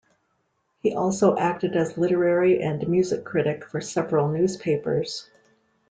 He also acted as literary and music critic for several newspapers.